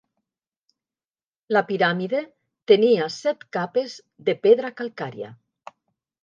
La piràmide tenia set capes de pedra calcària.